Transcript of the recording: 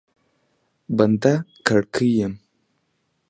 بنده کړکۍ یم